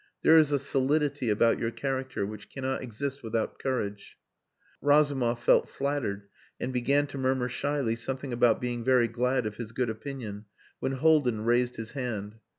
There is a solidity about your character which cannot exist without courage." Razumov felt flattered and began to murmur shyly something about being very glad of his good opinion, when Haldin raised his hand.